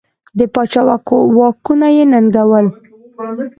د پاچا واکونه یې ننګول.